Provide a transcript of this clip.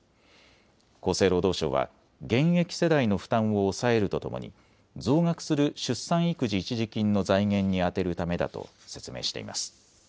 厚生労働省は現役世代の負担を抑えるとともに増額する出産育児一時金の財源に充てるためだと説明しています。